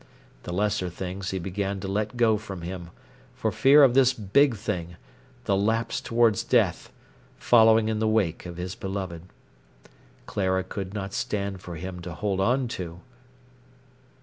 The lesser things he began to let go from him, for fear of this big thing, the lapse towards death, following in the wake of his beloved. Clara could not stand for him to hold on to.